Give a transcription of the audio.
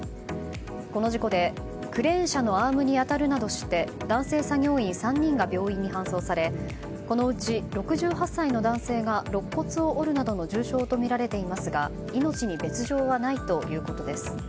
この事故でクレーン車のアームに当たるなどして男性作業員３人が病院に搬送されこのうち６８歳の男性が肋骨を折るなどの重傷とみられていますが命に別条はないということです。